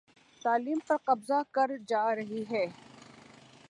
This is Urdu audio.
تعلیم پر قبضہ کر جا رہی ہے